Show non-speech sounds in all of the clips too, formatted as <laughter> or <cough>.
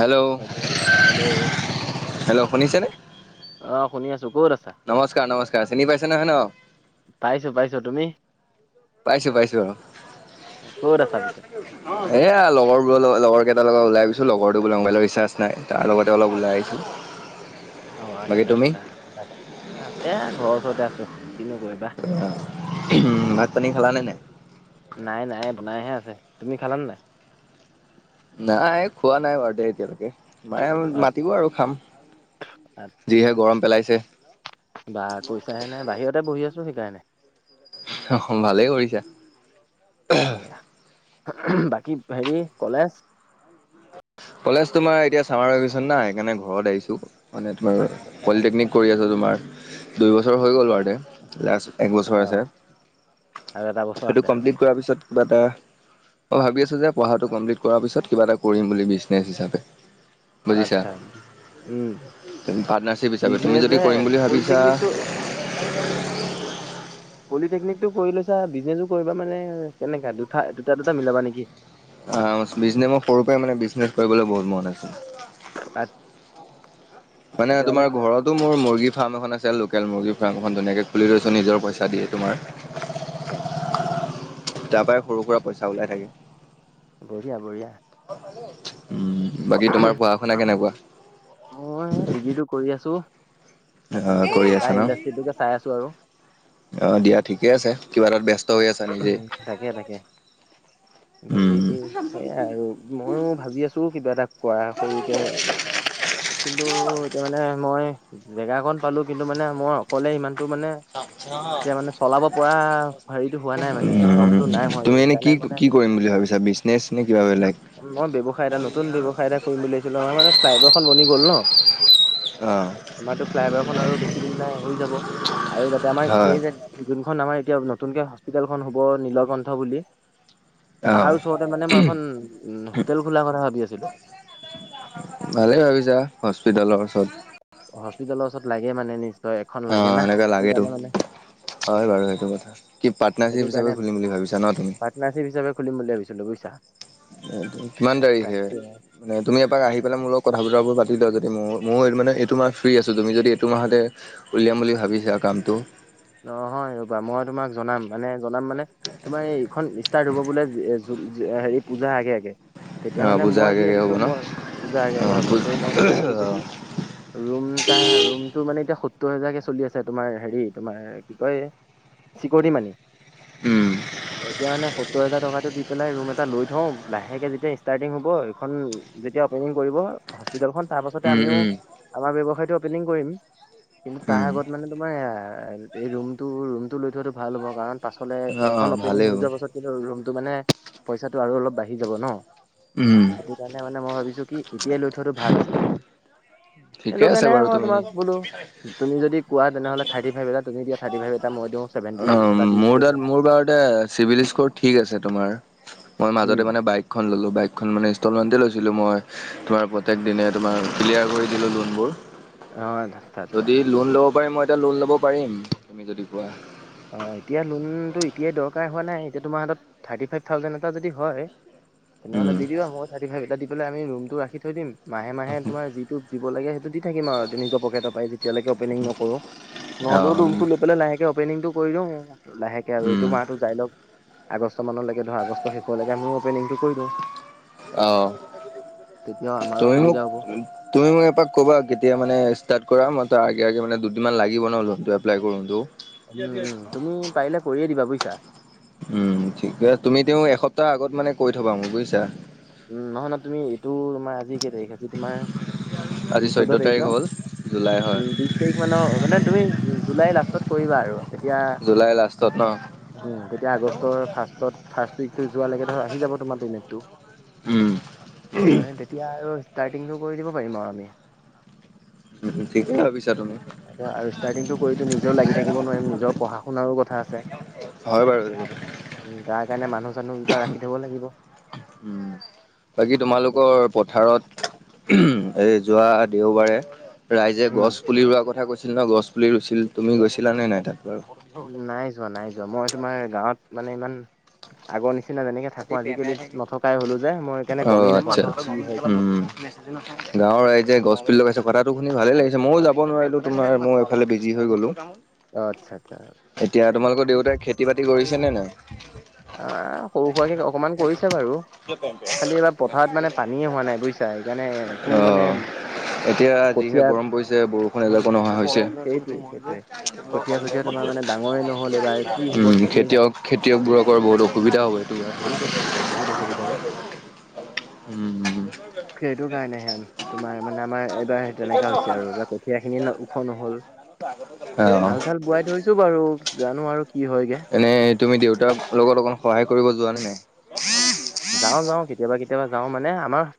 Hello hello hello hello শুনিছেনে? অ, শুনি আছোঁ। ক'ত আছা? নমস্কাৰ-নমস্কাৰ। চিনি পাইছেনে হৈ ন? পাইছো-পাইছো। তুমি? পাইছো-পাইছো অ'। ক'ত আছা পিছে এইয়া লগৰবোৰৰ লগ লগৰ কেইটাৰ লগত ওলাই আহিছো, লগৰটো বোলে মোবাইলত ৰিচ্ছাচ নাই। তাৰ লগতে অলপ ওলাই আহিছোঁ। অ' আচ্ছা-আচ্ছা, বাকী এ ঘৰৰ ওচৰতে আছো। কিনো কৰিবা। উম' ভাত পানী খালা নে নাই? নাই-নাই বনাইহে আছে। তুমি খালানে নাই? নাই, খোৱা নাই বাৰু দে এতিয়ালৈকে। মায়ে আচ্ছা মাতিব আৰু খাম। আচ্ছা যিহে গৰম পেলাইছে। বা কৈছা হে নে, বাহিৰতে বহি আছোঁ সেইকাৰণে। অ' ভালেই কৰিছা। <unintelligible> সেইয়া, বাকী হেৰি কলেজ? কলেজ তোমাৰ এতিয়া চামাৰভেশ্যন না সেইকাৰণে ঘৰত আহিছোঁ। মানে তোমাৰ আচ্ছা পলিটেকনিক কৰি আছোঁ, তোমাৰ দুইবছৰ হৈ গ'ল আৰু এতিয়া লাষ্ট। এক বছৰ আছে। আৰু এটা বছৰ সেইটো আছে আৰু কমপ্লিট কৰাৰ পিছত কিবা এটা, মই ভাবি আছোঁ যে পঢ়াটোও কমপ্লিট কৰাৰ পিছত। কিবা এটা কৰিম বুলি বিছ <unintelligible> হিচাপে আচ্ছা, উম' <unintelligible> পাৰ্টনাৰশ্বিপ হিচাপে তুমি যদি বিজনেছে কৰিম বুলি ভাবিছা পলিটেকনিকটো <inaudible> পলিটেকনিক টো কৰি লৈছা, বিজনেছো কৰিবা মানে কেনেকা দু দুটা-দুটা মিলাবা নেকি? অ, বিজনেছ মই সৰু পৰাই মানে বিজনেছ কৰিবলৈ বহুত মন আছে। আচ্ছা। মানে তোমাৰ ঘৰত ঘৰতটো মোৰ মুৰ্গী ফাৰ্ম এখন আছে। লোকেল মুৰ্গী ফাৰ্ম এখন ধুনীয়াকে খুলি লৈছোঁ, নিজৰ পইচা দিয়ে তোমাৰ। হয়। তাৰ পৰাই সৰু-সুৰা পইচা ওলাই থাকে। বঢ়িয়া-বঢ়িয়া। উম' বাকী তোমাৰ পঢ়া-শুনা কেনেকুৱা? মই এয়া ডিগ্ৰীটো কৰি আছোঁ। অ' কৰি আছা ন, চাই আছো আৰু অ' দিয়া ঠিকে আছে। কিবা এটাত ব্যস্ত হৈ আছা নিজেই তাকে-তাকে বাকী উম সেইয়া আৰু মইয়ো ভাবি আছোঁ, কিবা এটা কৰা সৰুকে কিন্তু এতিয়া মানে মই জেগা কন পালোঁ, কিন্তু মানে মই অকলে সিমানটো মানে আচ্ছা। এতিয়া মানে চলাব পৰা হেৰিটো হোৱা নাই মানে উম' দমটো নাই হোৱাগে তুমি এনে সেইকাৰণে মানে কি-কি কৰিম বুলি ভাবিছা? বিজনেচ নে কিবা বেলেগ? মই ব্যৱসায়, এটা নতুন ব্যৱসায় এটা কৰিম বুলি ভাবিছিলোঁ, নহয় মানে ফ্লাইভাৰ খন বনি গ'ল ন অ আমাৰতো ফ্লাই অভাৰখন আৰু বেছি দিন নাই হৈ যাব। আৰু যাতে আমাৰ হয়, এই যে যোনখন আমাৰ এতিয়া নতুনকে হস্পিতেল খন হ'ব নীলকণ্ঠ বুলি অ', তাৰ ওচৰতে মানে মই এখন হোটেল খোলাৰ কথা ভাবি আছিলো। ভালেই ভাবিছা হস্পিতেলৰ ওচৰত। হস্পিিতালৰ ওচৰত লাগে মানে নিজে- অ এনেকে লাগে ত- হয় বাৰু সেইটো কথা কি পাৰ্টনাৰশ্বিপ হিচাপে খুলিম বুলি ভাবিছা ন তুমি, পাটনাৰশ্বিপ হিচাপে খুলিম বুলি ভাবিছিলো বুজিছা। কিমান তাৰিখে। তাকে মানে তুমি এবাক আহি পেলাই মোৰ লগত তুমি এবাৰ আহি পেলাই মোৰ লগত কথা বতৰাবোৰ পাতি লোৱা যদি মোৰ মোৰ মানে এইটো মাহ ফ্ৰী আছো তুমি যদি এইটো মাহতে- উলিয়াম বুলি ভাবিছো আৰু কামটো। নহয় ৰ'বা মই তোমাক জনাম মানে জনাম মানে তোমাৰ এইখন ষ্টাৰ্ট হব বোলে। হেৰি পূজা আগে আগে- তেতিয়া অ', মানে পূজাৰ মই কি আগে আগে ভাবিছো হ'ব ন? মই পূজা আগে আগে অ', হ'ব পূ ত' মই মানে ভাবিছো অ', কি? ৰুম টা ৰুমটো মানে এতিয়া সত্তৰ হাজাৰ কে চলি আছে তোমাৰ হেৰি- তোমাৰ কি কয় চিকৰতি মানি- উম, এতিয়া মানে সত্তৰ হাজাৰ টকাতটো দি- পেলাই ৰুম এটা লৈ থও লাহেকে যেতিয়া ষ্টাৰ্টিং হব এইখন যেতিয়া অপেনিং কৰিব। হস্পিতেলখন তাৰ পাছতে উম, আমিও উম, আমাৰ ব্যৱসায়টো অপেনিং কৰিম। কিন্তু তাৰ উম, আগত মানে তোমাৰ- এই ৰুমটো ৰুমটো লৈ থোৱাটো ভাল হ'ব কাৰণ পাছফালে অ', অ', এইখন অপেনিং ভালেই হৈ হ'ব যাব। তাৰপিছত কিন্তু ৰুমটো মানে পইচাটো আৰু অলপ বাঢ়ি যাব ন। উম! সেইটো কাৰণে মানে মই ভাবিছোঁ কি এতিয়াই লৈ থোৱাটো ভাল আছিলে। ঠিকে আছে সেইটোকাৰণে বাৰু মই তুমি তোমাক কলো। তুমি যদি কোৱা তেনেহ'লে থা্ৰটী ফাইভ এটা তুমি দিয়া থাৰটী ফাইভ এটা মই দিও। অ মোৰ দ মোৰ বাৰতে চিভিল স্কৰ ঠিক আছে তোমাৰ, মই উম, মাজতে মানে বাইকখন ল'লোঁ বাইকখন মানে ইনষ্টলমেণ্টেই লৈছিলোঁ মই, তোমাৰ প্ৰত্যেক দিনে তোমাৰ ক্লিয়াৰ কৰি দিলো লোনবোৰ। অ ত ত, যদি লোন ল'ব পাৰিম মই এতিয়া লোন ল'ব পাৰিম তুমি যদি কোৱা? অ এতিয়া লোনটো এতিয়াই দৰকাৰ হোৱা নাই এতিয়া তোমাৰ হাতত থাৰ্টি ফাইভ থাউজেণ্ড এটা যদি হয়। তেনেহ'লে উম। দি দিব মই থাৰটি ফাইভ এটা দি পেলাই আমি ৰুমটো ৰাখি থৈ দিম মাহে মাহে তোমাৰ যিটো- দিব লাগে সেইটো দি থাকিম আৰু নিজৰ পকেট এ পৰাইতিয়ৈকে অপেনিং নকৰোঁ নহ'লেও ৰুমটো অ' লৈ পেলাই লাহে, অপেনিংটো কৰি দিও লাহেকে আৰু উম এইটো মাহটো যাই লওক। আগষ্ট মানলৈকে ধৰ আগষ্ট শেষলৈকে আমি অপেনিংটো কৰি দিওঁ। আহ তেতিয়া আমাৰো তুমি মোক। সুবিধা হ'ব। তুমি মোক এপাক ক'বা কেতিয়া মানে ষ্টাৰ্ট কৰা মই ত আগে আগে মানে দুদিনমান লাগিব ন লোনটো এপ্লাই কৰোটো। উম উম তুমি পাৰিলে কৰিয়ে দিবা বুজিছা। উম ঠিকেছে তুমি তেওঁ এসপ্তাহৰ আগত মানে কৈ থবা মোক বুজিছা। উম নহয় ন তুমি এইটো তোমাৰ আজি কেই তাৰিখ আজি তোমাৰ উ চৈধ্য তাৰিখ ন। জলাই হয়। উম, বিশ তাৰিখ মানৰ মানে তুমি জুলাই লাষ্টত কৰিবা আৰু- জুলাই লাষ্টত। ন? উ তেতিয়া আগষ্টৰ ফাৰ্ষত ফাৰ্ষট উইকটো যোৱ লৈকে ধৰ আহি যাব তোমাৰ পমটটো। উম! হয় তেতিয়া আৰু ষ্টাৰ্টিংটো কৰি দিব পাৰিম আৰু আমি- ঠিকেই ভাবিছা তুমি <unintelligible> এতিয়া আৰু ষ্টাৰ্টিংটো কৰিতো নিজেও লাগি থাকিব নোৱাৰিম, নিজৰ পঢ়া-শুনাৰো কথা আছে। <unintelligible> হয় বাৰু <unintelligible> উম তাৰ কাৰণে মানুহ-চানুহ দুটা ৰাখি থব লাগিব। <unintelligible> উম <unintelligible> বাকী সেইটোৱে। তোমালোকৰ পথাৰত <unintelligible> এ যোৱা দেওবাৰে ৰাইজে উম, গছ পুলি ৰোৱাৰ কথা কৈছিল ন, গছ পুলি ৰুইছিল, তুমি গৈছিলা নে নাই তাত বাৰু <unintelligible> নাই যোৱা, নাই যোৱা, মই তোমাৰ গাঁৱত মানে ইমান <inaudible> আগৰ নিচিনা যেনেকে থাকো আজিকালি নথকাই হলো যে মই সেইকাৰণে অ' গমেই নাপাওঁ আচ্ছা মানে কি হয়, কি উম। নহয় <unintelligible> গাঁৱৰ ৰাইজে গছ পুলি লগাইছে, কথাটো শুনি ভালে লাগিছে। মইও যাব নোৱাৰিলো তোমাৰ মই এইফালে বিজি হৈ গলোঁ। <inaudible> অ আচ্ছা-আচ্ছা। এতিয়া তোমালোকৰ দেউতাই খেতি-বাতি কৰিছে নে নাই? আহ সৰু সোৱাকে অকমান কৰিছে বাৰু। <unintelligible> খালি এবাৰ পথাৰত মানে পানীয়ে হোৱা নাই বুজিছা সেইকাৰণে একো <unintelligible> অ। মানে এতিয়া যিহে কঠীয়া গৰম পৰিছে, বৰষুণ এজাকো নহা হৈছে। <inaudible> <unintelligible> সেইটোৱে সেইটোৱে কঠীয়া চঠীয়া তোমাৰ মানে ডাঙৰে নহ'ল এইবাৰ কি হ'ব উম ঠিকেই নাই খেতিয়ক-খেতিয়কবোৰকৰ বহুত অসুবিধা হয়। বহুত অসুবিধা, বহুত অসুবিধা অ <unintelligible> উম-উম <inaudible> সেইটো <unintelligible> কাৰণেহে এতিয়া তোমাৰ মানে আমাৰ কিয় এইবাৰ সেই অহা তেনেকা হৈছে আৰু এইবাৰ নাই কঠীয়া খিনি <inaudible> ওখ নহল আহ অঁ হাল <unintelligible> চাল বোৱাই থৈছো বাৰু, জানো আৰু <inaudible> এনেই তুমি দেউতাৰ লগত অকণ সহায় কৰিব যোৱা নে নাই? <inaudible> যাওঁ-যাওঁ কেতিয়াবা-কেতিয়াবা যাওঁ মানে আমাৰ <unintelligible>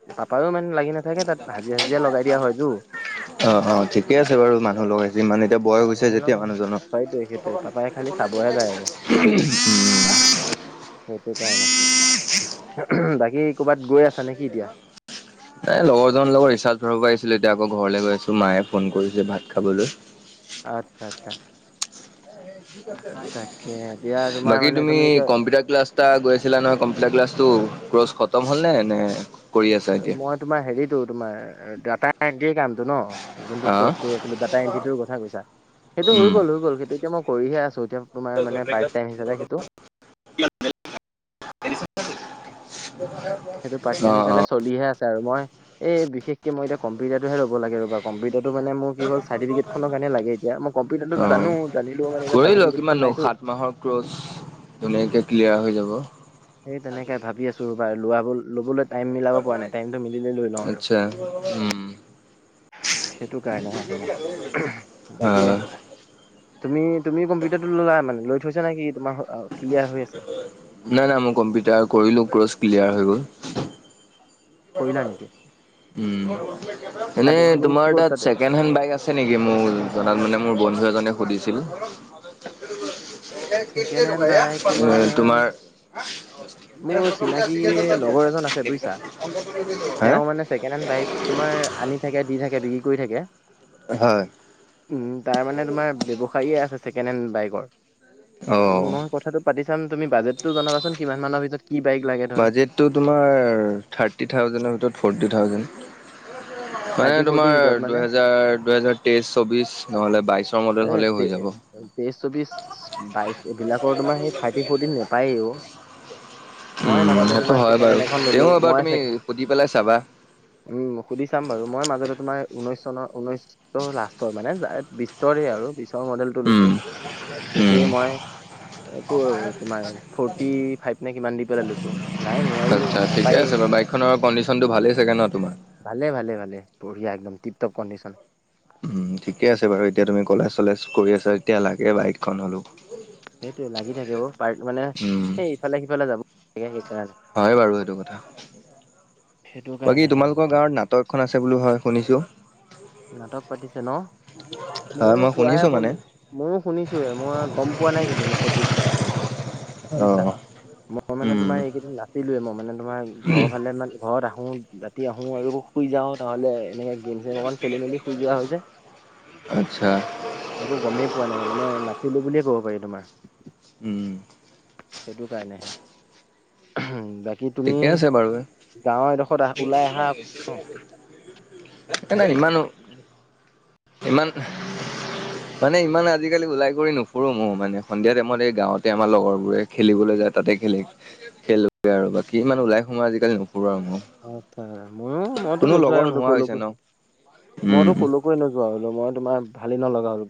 ইমান লাগি নাথাকে তাত হাজিৰা হাজিৰা লগাই দিয়া হয়তো। <unintelligible> অঁ-অঁ ঠিক। ঠিক আছে বাৰু মানুহ লগাইছে যে মানে এতিয়া বয়স হৈছে মানুহে লগ যেতিয়া মানুহজনৰ সেইটোৱে সেইটোৱে পাপাই খালি চাবহে যায় আৰু <unintelligible> <unintelligible> উম। সেইটো কাৰণে <unintelligible> <unintelligible> বাকী ক'ৰবাত গৈ আছা নেকি এতিয়া? এ লগৰজনৰ লগত ৰিচাৰ্ট ভৰাব আহিছিলোঁ, এতিয়া আকৌ ঘৰলৈ গৈ আছো। মায়ে ফোন কৰিছে ভাত খাবলৈ। <unintelligible> আচ্ছা-আচ্ছা। তাকে এতিয়া <unintelligible> তোমাৰ বাকী মানে তুমি এতিয়া কম্পিউটাৰ ক্লাছ <unintelligible> গৈ আছিলা নহয় কম্পিউটাৰ ক্লাছটো ক্ৰচ খতম হ'ল ন? নে <inaudible> এতিয়া? মই তোমাৰ হেৰিতো তোমাৰ <unintelligible> কামটো ন? যোনটো হা? কৰ্চ কৰি আছিলো ডাটা এণ্ট্ৰিটোৰ কথা কৈছা, সেইটো হৈ উম, গ'ল, হৈ গ'ল সেইটো এতিয়া মই কৰিহে আছো এতিয়া <unintelligible> পাৰ্ট টাইম হিচাপে সেইটো <unintelligible> <inaudible> <unintelligible> সেইটো পাৰ্ট টাইম অ', হিচাপে অ', চলিহে আছে আৰু মই এই বিশেষকে মই এতিয়া কম্পিউটাৰটোহে ল'ব লাগে ৰ'বা <unintelligible> কম্পিউটাৰটো মানে মোৰ কি হল চাৰ্টিফিকেটখনৰ কাৰণে লাগে এতিয়া। মই কম্পিউটাৰটো অ'। জানো জানিলেও মানে এতিয়া কৰি লোৱা চাৰ্টিফিকেটখন কিমাননো নাই। <inaudible> সাত মাহৰ ক্ৰজ ধুনীয়াকে ক্লিয়াৰ হৈ যাব। <inaudible> সেই তেনেকে ভাবি আছো ৰবা লোৱা <unintelligible> ল'বলৈ টাইম মিলাব পৰা নাই, টাইমটো মিলিলে লৈ লওঁ আৰু আচ্ছা উম <unintelligible> সেইটো কাৰণেহে মানে <unintelligible> বাকী হয় তুমি-তুমি কম্পিউটাৰটো ললা মানে, লৈ থৈছা না কি তোমাৰ <unintelligible> হৈ আছে <unintelligible> নাই-নাই মই কম্পিউটাৰ কৰিলো ক্ৰচ ক্লিয়াৰ হৈ গ'ল। কৰিলা নেকি? উম এনে তাতে তুমি তোমাৰ ক'ত তাত তাতে ছেকেণ্ড হেণ্ড বাইক আছে ছে নেকি মোক জনাত মানে মোৰ বন্ধু এজনে সুধিছিল এইটো কেই ছেকেণ্ড টকা হেণ্ড এইয়া বাইক এ তোমাৰ মোৰ চিনাকি লগৰ এজন আছে বুজিছা হে তেওঁ মানে ছেকেণ্ড হেড বাইক তোমাৰ আনি থাকে দি থাকে বিক্ৰী কৰি থাকে হয় উম তাৰ মানে তোমাৰ ব্যৱসাইয়ে আছে ছেকেণ্ড হেণ্ড বাইকৰ অ উম মই কথাটো পাতি চাম তুমি বাজেটটো জনাবাচোন কিমান মানৰ ভিতৰত কি বাইক লাগে ধৰ টো তোমাৰ থাৰ্টি থাউজেণ্ড ভিতৰত ফৰ্টি থাউজেণ্ড মানে থাৰ্টি ফৰ্টিৰ তোমাৰ ভিতৰত মানে দুহেজাৰ দুহেজাৰ তেইশ চৌবিশ নহ'লে বাইশৰ ম এ তে তেইশ চৌবিশ বাইশ এইবিলাকৰ তোমাৰ সেই থাৰ্টি ফৰ্টিত নেপাই অও মই উম, মাজতে সেইটো তোমাৰ হয় ছেকেণ্ড বাৰু হেণ্ড এখন ললো তেওঁ এবাৰ মই তুমি ছে সুধি পেলাই চাবা। উম সুধি চাম বাৰু মই মাজতে তোমাৰ ঊনৈশ চনৰ ঊনৈশৰ লাষ্টৰ মানে বিছ তৰে আৰু পিছৰ মডেলটো লৈছোঁ উম, উম। সেইটোৱে মই একো তোমাৰ ফৰ্টি ফাইভ নে কিমান দি পেলাই লৈছো নাই নোৱাৰি নাপায়েই খনৰ কণ্ডিচনটো ভালেই চাগে ন তোমাৰ ভালে ভালে ভালে বঢ়িয়া একদম টিপ টপ কণ্ডিচন উম ঠিকে আছে বাৰু এতিয়া তুমি কলেজ চলেজ কৰি আছা যেতিয়া লাগে বাইকখন হ'লো সেইটোৱে লাগি থাকিব অ পাৰ্ট মানে উম, এই ইফালে সিফালে যাব লাগে সেইকাৰণে হয় বাৰু সেইটো কথা সেইটো বাকী কাৰণেহে মানে তোমালোকৰ গাঁৱত নাম তইকখন আছে বুলো হয় শুনিছোঁ নাটক পাতিছে ন হয় ময়ো মই শোৱাহে শুনিছোঁ মানে। শুনো ময়ো শুনিছো হে মই গম পোৱা নাই কিন্তু মোক সঠিকে মানে বুইছা অ', মই মানে উম, তোমাৰ এইকেইদিন নাছিলোৱে মই মানে তোমাৰ ঘৰ ফালে মান ঘৰত আহোঁ ৰাতি আহোঁ আৰু শুই যাওঁ নহ'লে এনেকে গেম চেম অকণ খেলি মেলি শুই যোৱা হৈ যে আচ্ছা একো গমেই পোৱা নাই মানে মই নাছিলোঁ বুলিয়ে ক'ব পাৰি তোমাৰ উম সেইটো কাৰণেহে বাক কি তুমি ঠিকে আছে বাৰু গাঁৱৰ এডখৰত আহ ওলাই আহা এ নাই ইমানো ইমান মানে ইমান আজিকালি ওলাই কৰি নুফুৰো মোৰ মানে সন্ধিয়া টাইমত এই গাঁৱতে আমাৰ লগৰবোৰে খেলিবলে যায় তাতে খেলি খেলোগে আৰু বাকী ইমান ওলাই সোমাই আজিকালি নপুৰোঁ আৰু মই আচ্ছা ময়ো মইতো নোযোৱাই হলো নোহোৱা হৈছে কলৌকো ন উম মইতো কলৌ কোৱেই নোযোৱা হ'লো মই তোমাৰ ভালে নলগা হ'ল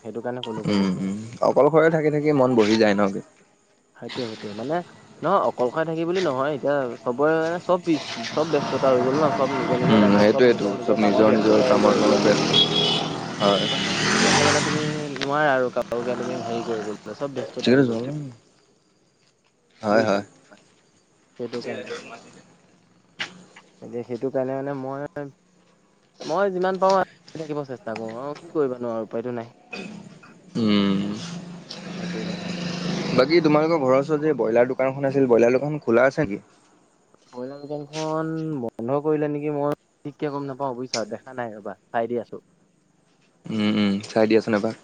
সেইটো কাৰণে কলৈকো উম নোযোৱা হ'ল উম অকলশৰে থাকি থাকি মন বহি যায় নহ সেইটোয়ে সেইটোয়ে মানে নহয় অকলশৰে থাকি বুলি নহয় এতিয়া চবৰে চব বিচ চব ব্যস্ততা হৈ গ'ল ন চব নিজৰ নিজৰ উম লাইফত, চব সেইটোয়েতো নিজৰ নিজৰ চব কামত, নিজৰ ব্যস্ততা হৈ কামৰ গ'ল এতিয়া লগত আৰু ব্যস্ত সেকাৰণে সেইটো কাৰণে মানে তুমি নোৱাৰা আৰু কাৰুকে, তুমি হেৰি কৰিব চব ব্যস্ততা হৈ গ'ল। হয় হয় বুইছা। হয় <unintelligible> এতিয়া সেইটো কাৰণে মানে মই মই যিমান পাৰো থাকিব <unintelligible> থাকিব চেষ্টা কৰো। আৰু কি কৰিবানো আৰু। উপায় টো নাই। উম সেইটোৱে মানে তোমাৰ। বাকী তোমালোকৰ ঘৰৰ ওচৰত যে ব্ৰইলাৰ দোকান এখন আছিল। ব্ৰইলাৰ দোকানখন খোলা আছে নেকি? ব্ৰইলাৰ দোকানখন বন্ধ কৰিলে নেকি মই ঠিককে গম নাপাওঁ বুজিছা দেখা নাই ৰ'বা চাই দি আছোঁ। উম উম চাই দিয়াচোন এবাৰ।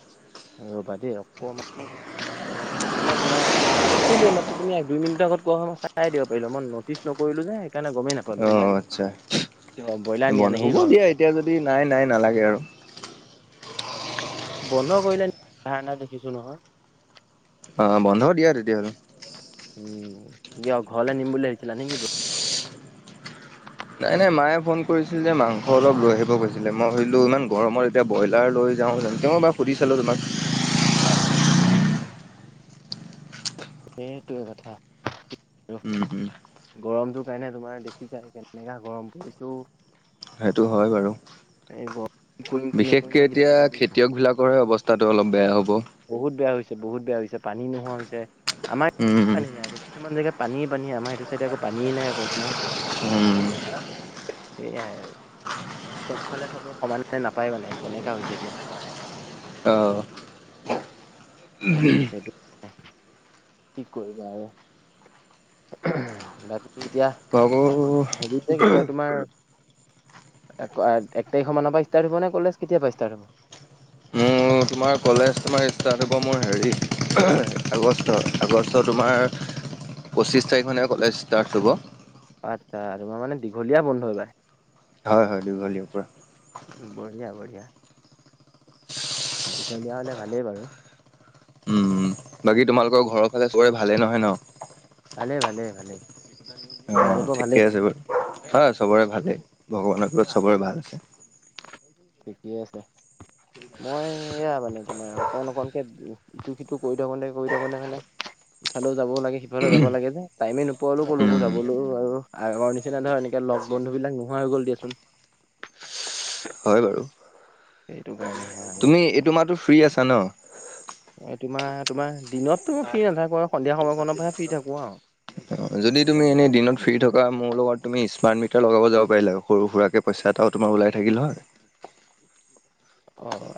ৰ'বা দেই অকমান, মই মানে তোমাৰ অকমান আছিলে মাত্ৰ তুমি এক দুই মিনিটৰ আগত কোৱা হয় মই চায়ে দিব পাৰিলো হয় মই নটিচ নকৰিলো যে সেইকাৰণে গমেই নাপালো। অ অ আচ্ছা। অ ব্ৰইলাৰ নিয়া বন্ধ নেকি হ'ব দিয়া ঘৰলে এতিয়া যদি নাই নাই নালাগে আৰু। বন্ধ কৰিলে, দেখিছোঁ নহয়। অ অ বন্ধ দিয়া তেতিয়াহ'লে। উম। কিয় ঘৰলে নিম বুলি ভাৱিছিলা নেকি? নাই নাই মায়ে ফোন কৰিছিল যে মাংস অলপ লৈ আহিব কৈছিলে। মই ভাবিলোঁ ইমান গৰমত এতিয়া ব্ৰইলাৰ লৈ যাওঁ জানো তেওঁ এবাৰ সুধি চালো তোমাক। সেইটোৱে কথা। উম উম। গৰমটো কাৰণে তোমাৰ দেখিছাই কেনেকা গৰম পৰিছে অ'। সেইটো হয় বাৰু। গৰম কৰিম কি নকৰিম বিশেষকে লাগি এতিয়া থাকে বুজিছা খেতিয়ক বিলাকৰে অৱস্থ স্হাটো অলপ বেয়া হ'ব। বহুত বেয়া হৈছে বহুত বেয়া হৈছে পানী নোহোৱা হৈছে। আমাৰ, উম হোম কিছুমান জেগাত পানীয়ে পানী, আমাৰ এইটো চাইডে আকৌ পানীয়েই নাই অকনো। উম। সেইয়াই আৰু। চবফালে চবে সমানে নাপায় মানে, তেনেকা হৈছে এতিয়া। অহ। উমহ সেইটো কি কৰিবা আৰু। উমহ বাকী এতিয়া খোৱা-বোৱা <unintelligible> এই কি কয় তোমাৰ, এক তাৰিখৰ মানৰ পৰা ষ্টাৰ্ট হ'ব নে কলেজ? কেতিয়া পৰা ষ্টাৰ্ট হ'ব? মোৰ <inaudible> তোমাৰ কলেজ তোমাৰ ষ্টাৰ্ট হ'ব মোৰ হেৰী অহহ আগষ্ট, আগষ্টত তোমাৰ পঁচিছ তাৰিখ মানে কলেজ ষ্টাৰ্ট কৰিব। অ আচ্ছা, তোমাৰ মানে দীঘলীয়া বন্ধ এইবাৰ। হয় হয় দীঘলীয়া পোৰা। বঢ়িয়া বঢ়িয়া। দীঘলীয়া হ'লে ভালেই বাৰু। উম বাকী তোমালোকৰ ঘৰৰ ফালে চবৰে ভালে নহয় ন? ভালে ভালে ভালে। অ, ঠিকে আছে বাৰু। হয় চবৰে ভালেই। ভগৱানৰ কৃপাত চবৰে ভাল আছে। ঠিকে আছে। মই এয়া মানে তোমাৰ অকণ অকণকে ইটো সিটো কৰি থাকোতে কৰি থাকোতে মানে ইফালেও যাব লাগে যাব লাগে যে, টাইমে নোপোৱা হ'লো কলৈকো উম, যাব গ'লো বাৰু আগৰ নিচিনা ধৰা এনেকে লগ বন্ধু বিলাক নোহোৱা হৈ গ'ল দিয়াচোন। হয় বাৰু। এইটো কাৰণে। তুমি এইটোমাহতো ফ্ৰী আছা ন। তোমাৰ তোমাৰ দিনততো মই ফ্ৰী নাথাকোঁ আৰু সন্ধিয়া সময়কনৰ পৰাহে ফ্ৰী থাকোঁ আৰু অ', যদি তুমি এনেই দিনত ফ্ৰী থকা মোৰ লগত তুমি স্মাৰ্ট মিটাৰ লগাব যাব পাৰিলা সৰু সুৰাকে। পইচা এটাও ওলাই থাকিল হয়। অ